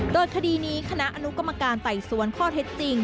โดยคดีนี้คณะอนุกรรมการไต่สวนข้อเท็จจริง